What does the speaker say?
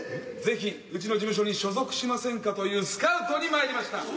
ぜひうちの事務所に所属しませんかというスカウトに参りました。